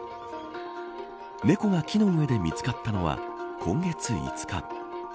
猫が木の上で見つかったのは今月５日。